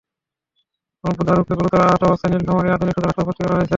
বুধারুকে গুরুতর আহত অবস্থায় নীলফামারী আধুনিক সদর হাসপাতালে ভর্তি করা হয়েছে।